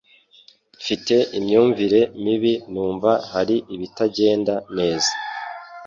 Mfite imyumvire mibi numva hari ibitagenda neza